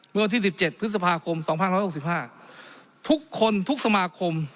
เมื่อวันที่สิบเจ็ดพฤษภาคมสองพันห้าร้อยสิบห้าทุกคนทุกสมาคม